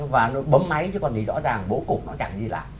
và nó bấm máy chứ còn thì rõ ràng bổ cục nó chẳng gì lạ